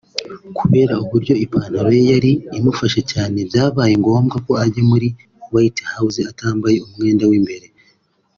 Kubera uburyo ipantaro ye yari imufashe cyane byabaye ngombwa ko ajya muri White House atambaye umwenda w'imbere